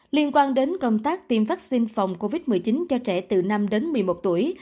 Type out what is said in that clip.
liên quan đến công tác tiêm vaccine phòng covid một mươi chín cho trẻ từ năm đến một mươi một tuổi